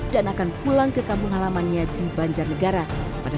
dan akan pulang ke kampung halamannya di banjarnegara